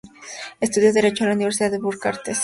Estudió derecho en la Universidad de Bucarest.